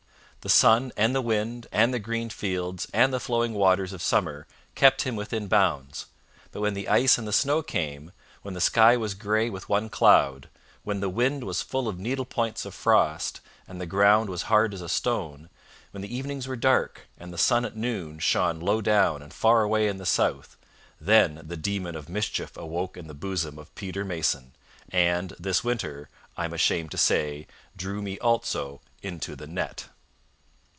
The sun, and the wind, and the green fields, and the flowing waters of summer kept him within bounds; but when the ice and the snow came, when the sky was grey with one cloud, when the wind was full of needle points of frost and the ground was hard as a stone, when the evenings were dark, and the sun at noon shone low down and far away in the south, then the demon of mischief awoke in the bosom of Peter Mason, and, this winter, I am ashamed to say, drew me also into the net.